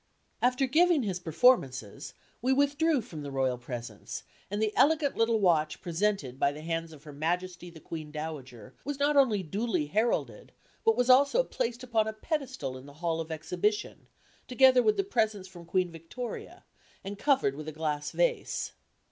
After giving his performances, we withdrew from the royal presence, and the elegant little watch presented by the hands of Her Majesty the Queen Dowager was not only duly heralded, but was also placed upon a pedestal in the hall of exhibition, together with the presents from Queen Victoria, and covered with a glass vase.